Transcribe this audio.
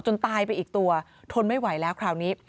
ตายไปอีกตัวทนไม่ไหวแล้วคราวนี้